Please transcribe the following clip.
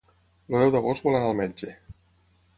El deu d'agost vol anar al metge.